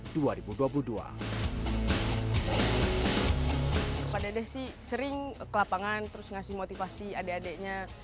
kepada dedek sih sering ke lapangan terus ngasih motivasi adek adeknya